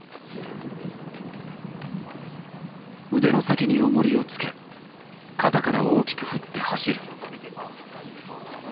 腕の先におもりをつけ肩から大きく振って走る。